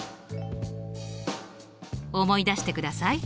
思い出してください。